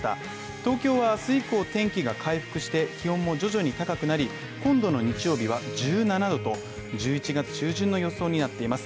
東京は明日以降天気が回復して気温も徐々に高くなり、今度の日曜日は１７℃と１１月中旬の予想になっています。